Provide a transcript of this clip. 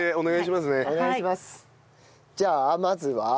じゃあまずは？